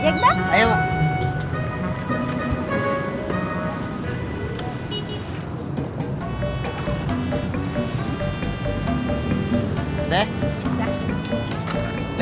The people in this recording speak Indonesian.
jangan lagi belir belah